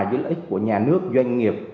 với lợi ích của nhà nước doanh nghiệp